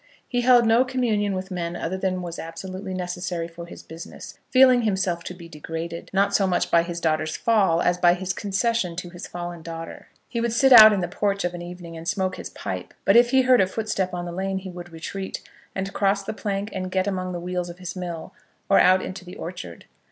He held no communion with men other than was absolutely necessary for his business, feeling himself to be degraded, not so much by his daughter's fall as by his concession to his fallen daughter. He would sit out in the porch of an evening, and smoke his pipe; but if he heard a footstep on the lane he would retreat, and cross the plank and get among the wheels of his mill, or out into the orchard.